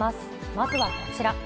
まずはこちら。